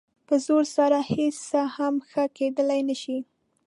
په زور سره هېڅ څه هم ښه کېدلی نه شي.